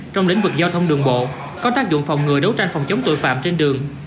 trong lĩnh vực giao thông đường bộ có tác dụng phòng ngừa đấu tranh phòng chống tội phạm trên đường